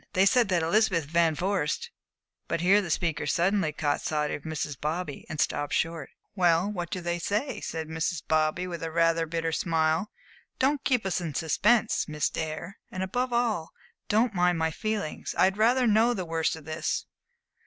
They say that Elizabeth Van Vorst" But here the speaker suddenly caught sight of Mrs. Bobby, and stopped short. "Well, what do they say?" said Mrs. Bobby, with rather a bitter smile. "Don't keep us in suspense, Miss Dare, and above all, don't mind my feelings. I would rather know the worst of this."